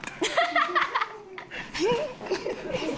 ハハハハ！